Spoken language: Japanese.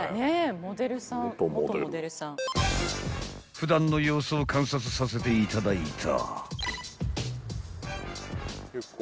［普段の様子を観察させていただいた］